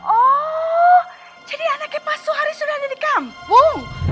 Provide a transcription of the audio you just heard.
oh jadi anaknya pak suhari sudah ada di kampung